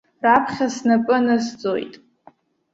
Раԥхьа снапы анысҵоит!